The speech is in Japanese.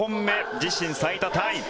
自身最多タイ。